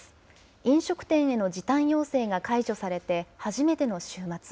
飲食店への時短要請が解除されて、初めての週末。